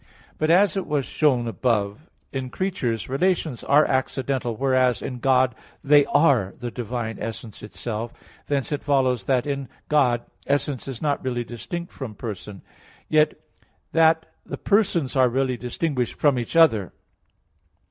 But as it was shown above (Q. 28, A. 2) in creatures relations are accidental, whereas in God they are the divine essence itself. Thence it follows that in God essence is not really distinct from person; and yet that the persons are really distinguished from each other.